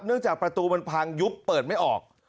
จากประตูมันพังยุบเปิดไม่ออก